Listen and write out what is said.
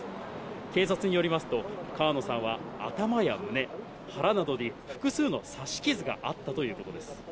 警察によりますと、川野さんは頭や胸、腹などに複数の刺し傷があったということです。